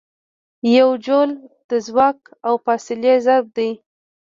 یو جول د ځواک او فاصلې ضرب دی.